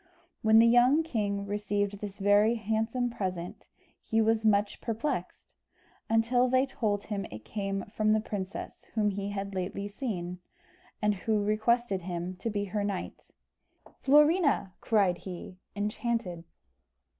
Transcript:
When the young king received this very handsome present, he was much perplexed, until they told him it came from the princess whom he had lately seen, and who requested him to be her knight. "Florina!" cried he, enchanted.